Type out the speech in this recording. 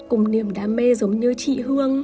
cùng niềm đam mê giống như chị hương